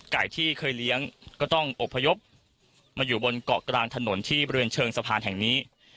ไก่ที่เคยเลี้ยงก็ต้องอบพยพมาอยู่บนเกาะกลางถนนที่บริเวณเชิงสะพานแห่งนี้